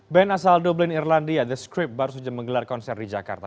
band asal dublenn irlandia the script baru saja menggelar konser di jakarta